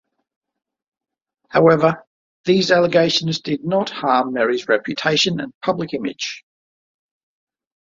However, these allegations did not harm Meri's reputation and public image.